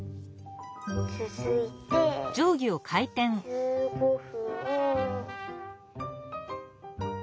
つづいて１５分。